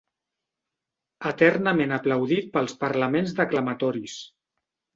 Eternament aplaudit pels parlaments declamatoris